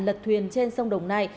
lật thuyền trên sông đồng nai